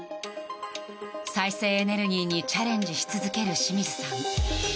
再生エネルギーにチャレンジし続ける清水さん。